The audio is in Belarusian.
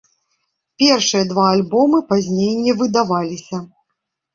Першыя два альбомы пазней не выдаваліся.